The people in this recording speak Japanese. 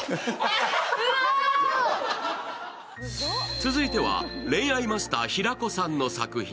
続いては恋愛マスター平子さんの作品。